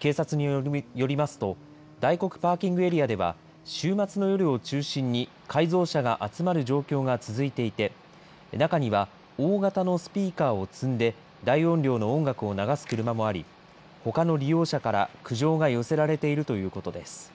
警察によりますと、大黒パーキングエリアでは、週末の夜を中心に改造車が集まる状況が続いていて、中には、大型のスピーカーを積んで、大音量の音楽を流す車もあり、ほかの利用者から苦情が寄せられているということです。